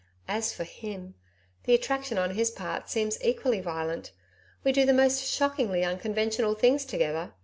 As for HIM, the attraction on his part seems equally violent. We do the most shockingly unconventional things together.